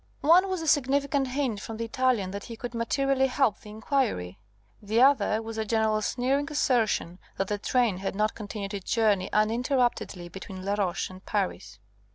One was the significant hint from the Italian that he could materially help the inquiry. The other was the General's sneering assertion that the train had not continued its journey uninterruptedly between Laroche and Paris.